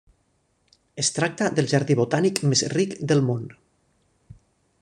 Es tracta del jardí botànic més ric del món.